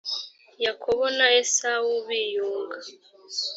yakobo na esawu biyunga